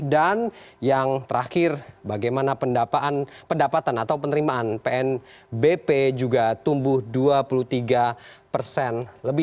dan yang terakhir bagaimana pendapatan atau penerimaan pnbp juga tumbuh dua puluh tiga persen